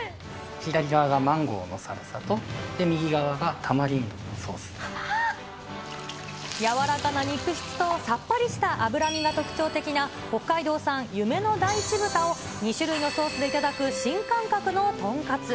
左側がマンゴーのサルサと、柔らかな肉質と、さっぱりした脂身が特徴的な北海道産夢の大地豚を、２種類のソースで頂く新感覚の豚カツ。